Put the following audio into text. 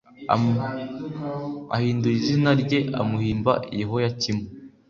ahindura izina rye amuhimba yehoyakimu